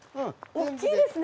おっきいですね。